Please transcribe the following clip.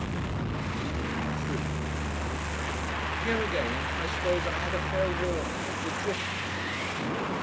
3 Here, again, I suppose I had a fair warning of the drift of things.